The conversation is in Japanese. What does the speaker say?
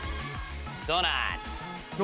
ドーナツ！